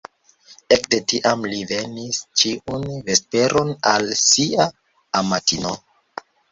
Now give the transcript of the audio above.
Ekde tiam li venis ĉiun vesperon al sia amatino.